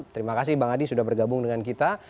terima kasih bang adi sudah bergabung dengan kita